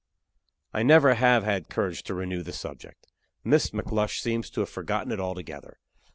I never have had courage to renew the subject. Miss McLush seems to have forgotten it altogether.